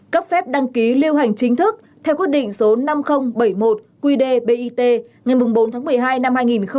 cấp phép đăng ký lưu hành chính thức theo quyết định số năm nghìn bảy mươi một qd bit ngày bốn tháng một mươi hai năm hai nghìn một mươi bảy